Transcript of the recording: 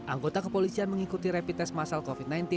anggota kepolisian mengikuti repitest masal covid sembilan belas